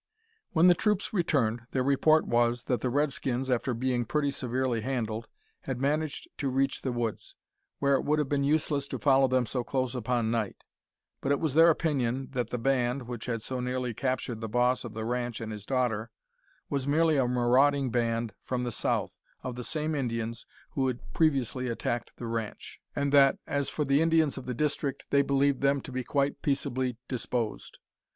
When the troopers returned, their report was, that the Redskins, after being pretty severely handled, had managed to reach the woods, where it would have been useless to follow them so close upon night; but it was their opinion that the band, which had so nearly captured the boss of the ranch and his daughter, was merely a marauding band, from the south, of the same Indians who had previously attacked the ranch, and that, as for the Indians of the district, they believed them to be quite peaceably disposed.